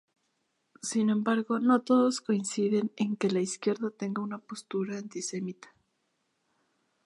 Sin embargo, no todos coinciden en que la izquierda tenga una postura antisemita.